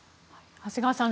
長谷川さん